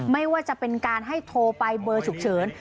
ไม่ว่าจะเป็นการให้โทรไปเบอร์ฉุกเฉิน